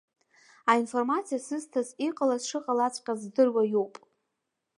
Аинформациа сызҭаз иҟалаз шыҟалаҵәҟьаз здыруа иоуп.